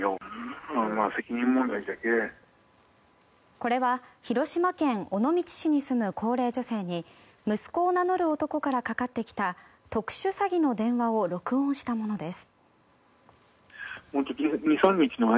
これは広島県尾道市に住む高齢女性に息子を名乗る男からかかってきた特殊詐欺の電話を録音したものです。